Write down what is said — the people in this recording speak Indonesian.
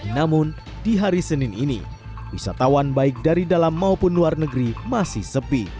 namun di hari senin ini wisatawan baik dari dalam maupun luar negeri masih sepi